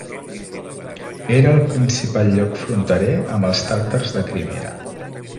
Era el principal lloc fronterer amb els tàrtars de Crimea.